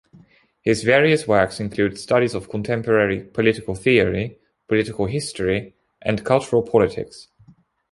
His various works include studies of contemporary political theory, political history, and cultural politics.